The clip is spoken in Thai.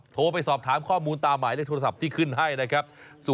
โทรไปสอบถามข้อมูลตามหมายเลขโทรศัพท์ที่ขึ้นให้นะครับ